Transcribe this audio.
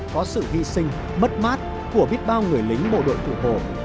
có sự hy sinh mất mát của biết bao người lính bộ đội thủ hộ